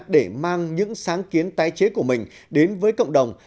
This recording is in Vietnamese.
để mang những sáng kiến tái chế của mình đến với cộng đồng